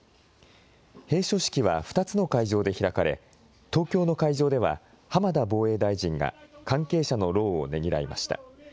閉所式は２つの会場で開かれ、東京の会場では、浜田防衛大臣が関係者の労をねぎらいました。